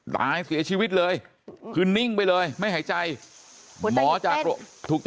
ตายเสียชีวิตเลยคือนิ่งไปเลยไม่หายใจ